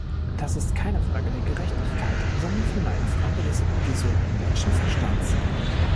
Das ist keine Frage der Gerechtigkeit, sondern vielmehr eine Frage des gesunden Menschenverstands.